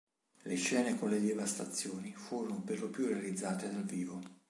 Le scene con le devastazioni furono per lo più realizzate dal vivo.